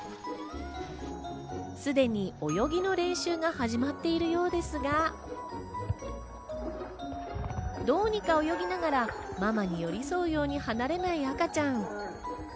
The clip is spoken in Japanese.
すでに泳ぎの練習が始まっているようですが、どうにか泳ぎながら、ママに寄り添うように離れない赤ちゃん。